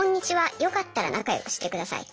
よかったら仲良くしてください！」。